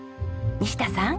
西田さん。